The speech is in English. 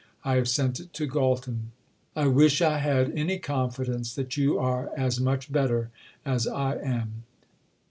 I have sent it to Galton. I wish I had any confidence that you are as much better as I am.